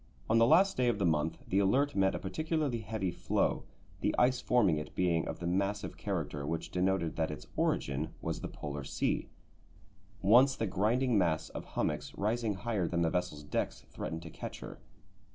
On the last day of the month the Alert met a particularly heavy floe, the ice forming it being of the massive character which denoted that its origin was the Polar Sea. Once the grinding mass of hummocks, rising higher than the vessel's decks, threatened to catch her.